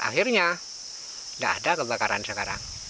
akhirnya tidak ada kebakaran sekarang